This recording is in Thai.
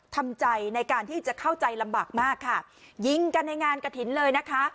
ทำใจในการที่จะเข้าใจลำบากมากค่ะยิงกันในงานกระถิ่นเลยนะคะ